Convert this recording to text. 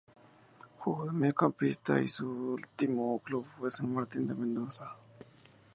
Jugó de mediocampista y su último club fue San Martín de Mendoza.